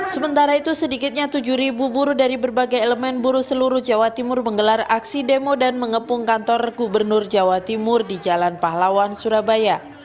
sementara itu sedikitnya tujuh buruh dari berbagai elemen buruh seluruh jawa timur menggelar aksi demo dan mengepung kantor gubernur jawa timur di jalan pahlawan surabaya